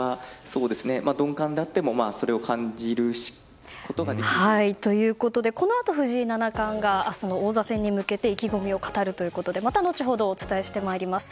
鈍感であってもということで、このあと藤井七冠が明日の王座戦に向けて意気込みを語るということでまた後ほどお伝えしてまいります。